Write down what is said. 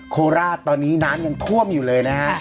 โคล๑๔๐๐ตอนนี้น้ำถ้วงอยู่เลยนะฮะ